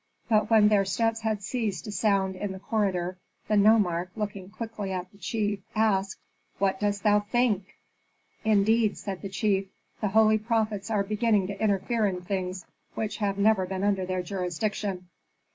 But when their steps had ceased to sound in the corridor, the nomarch, looking quickly at the chief, asked, "What dost thou think?" "Indeed," said the chief, "the holy prophets are beginning to interfere in things which have never been under their jurisdiction."